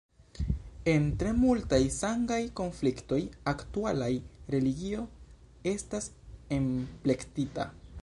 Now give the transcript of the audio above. En tre multaj sangaj konfliktoj aktualaj religio estas enplektita.